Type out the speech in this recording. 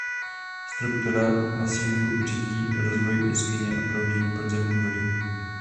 Struktura masívu řídí rozvoj jeskyně a proudění podzemní vody.